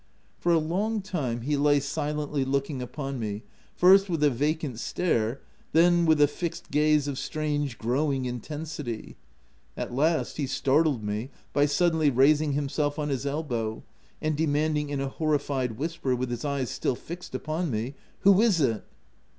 For a long time, he lay silently looking upon me, first with a vacant stare, then with a fixed gaze of strange, growing intensity. At last he startled me by suddenly raising himself on his elbow and demanding in a horrified whisper, with his eyes still fixed upon me, — "Who is'it?"